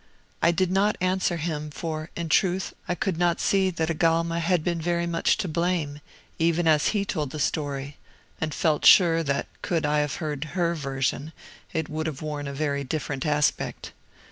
I did not answer him; for, in truth, I could not see that Agalma had been very much to blame, even as he told the story, and felt sure that could I have heard her version it would have worn a very different aspect.